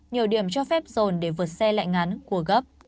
nhiều điểm cho phép dồn để vượt xe lại ngắn của gấp